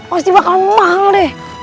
pasti bakal mahal deh